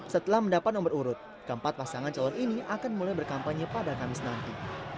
setelah mendapat nomor urut keempat pasangan calon ini akan mulai berkampanye pada kamis nanti